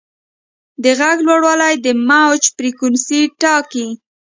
د غږ لوړوالی د موج فریکونسي ټاکي.